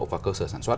và cơ sở sản xuất